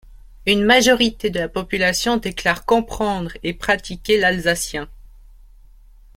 Une majorité de la population déclare comprendre et pratiquer l'alsacien.